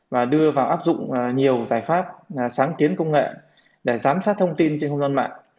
và đưa vào áp dụng nhiều giải pháp sáng kiến công nghệ để giám sát thông tin trên không gian mạng